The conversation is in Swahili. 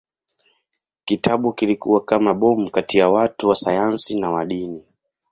Kitabu kilikuwa kama bomu kati ya watu wa sayansi na wa dini.